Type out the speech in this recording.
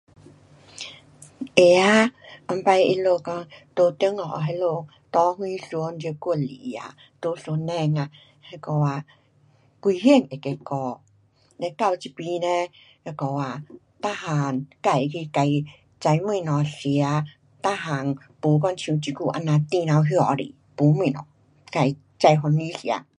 会啊，以前他们讲在中国那里搭什船这过来啊，在船上啊，那个啊，危险会的了，嘞到这边嘞那个啊，每样自去自种东西吃，每样没讲像这久这样在店头那么多，没东西，自种番薯吃。